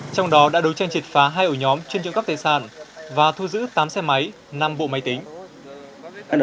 trong đó đã đấu tranh triệt phá hai ổ nhóm chuyên trộm cắp tài sản và thu giữ tám xe máy năm bộ máy tính